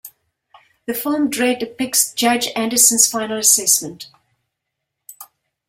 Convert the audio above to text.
The film "Dredd" depicts Judge Anderson's final assessment.